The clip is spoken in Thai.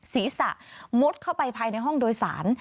ศีรษะมุดเข้าไปภายในห้องโดยสาร